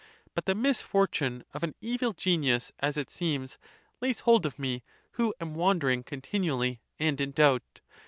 But the misfortune of an evil genius, as it seems, lays hold of me, who am wander ing continually and in doubt.